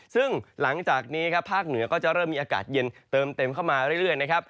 ซึ่งหลังจากนี้ครับภาคเหนือก็จะเริ่มมีอากาศเย็นเติมเต็มเข้ามาเรื่อยนะครับ